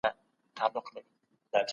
وياړمن